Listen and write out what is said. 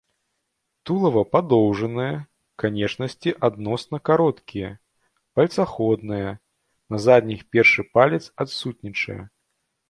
Тулава падоўжанае, канечнасці адносна кароткія, пальцаходныя, на задніх першы палец адсутнічае.